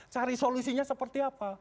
cari solusinya seperti apa